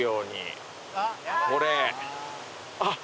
あっ！